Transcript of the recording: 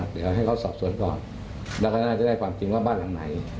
เดี๋ยวให้เขาสอบสวนก่อนแล้วก็น่าจะได้ความจริงว่าบ้านหลังไหน